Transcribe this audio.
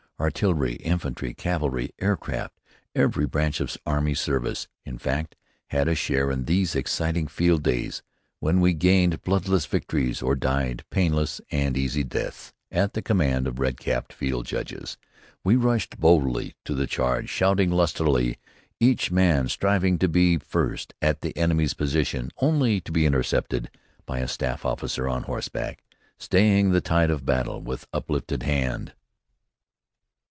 Artillery, infantry, cavalry, air craft every branch of army service, in fact had a share in these exciting field days when we gained bloodless victories or died painless and easy deaths at the command of red capped field judges. We rushed boldly to the charge, shouting lustily, each man striving to be first at the enemy's position, only to be intercepted by a staff officer on horseback, staying the tide of battle with uplifted hand.